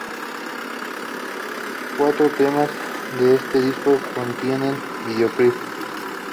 Cuatro temas de este disco contienen videoclip.